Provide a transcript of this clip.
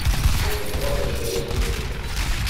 Ur ẓriɣ d acu ay bɣiɣ.